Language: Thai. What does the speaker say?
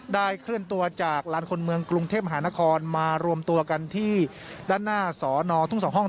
เคลื่อนตัวจากลานคนเมืองกรุงเทพมหานครมารวมตัวกันที่ด้านหน้าสอนอทุ่ง๒ห้อง